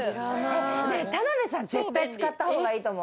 田辺さん、絶対使った方がいいと思う。